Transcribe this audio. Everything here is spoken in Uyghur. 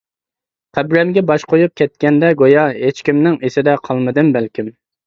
قەبرەمگە باش قويۇپ كەتكەندەك گويا، ھېچكىمنىڭ ئېسىدە قالمىدىم بەلكىم.